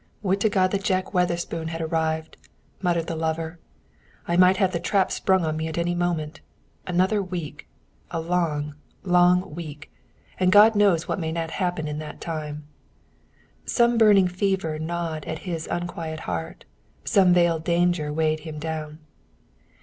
"Would to God that Jack Witherspoon had arrived!" muttered the lover. "I may have the trap sprung on me at any moment. Another week; a long, long week! And God knows what may not happen in that time." Some burning fever gnawed at his unquiet heart, some veiled danger weighed him down.